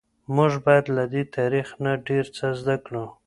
موږ باید له دې تاریخ نه ډیر څه زده کړو.